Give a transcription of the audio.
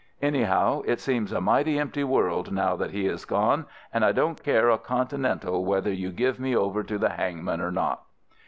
Anyhow, it seems a mighty empty world now that he is gone, and I don't care a continental whether you give me over to the hangman or not.